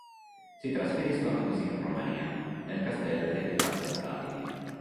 Si trasferiscono così in Romania, nel castello ereditato da Vladimir.